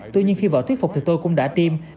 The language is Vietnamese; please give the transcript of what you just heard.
tuy nhiên khi vào thuyết phục thì tôi cũng đã tiêm